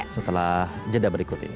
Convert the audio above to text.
setelah jeda berikut ini